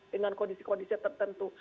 dengan kondisi kondisi tertentu